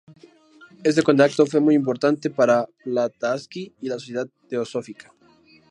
Este contacto fue muy importante para Blavatsky y la Sociedad Teosófica.